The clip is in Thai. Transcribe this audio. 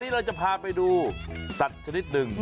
เราจะพาไปดูสัตว์ชนิดหนึ่ง